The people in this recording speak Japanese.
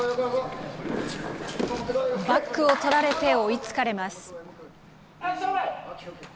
バックを取られて追いつかれます。